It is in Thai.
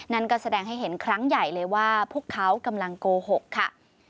นั่นก็แสดงให้เห็นครั้งใหญ่เลยว่าพวกเขากำลังโกหกค่ะ